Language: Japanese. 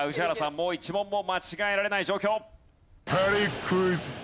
もう１問も間違えられない状況。